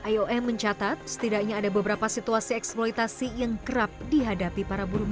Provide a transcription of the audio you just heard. coba pencobaan gaya untuk lord kaisar